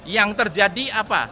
yang terjadi apa